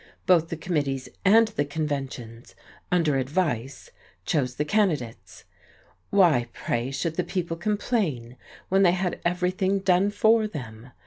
Both the committees and the conventions under advice chose the candidates. Why, pray, should the people complain, when they had everything done for them?